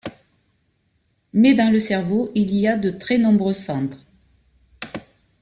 Mais dans le cerveau, il y a de très nombreux centres.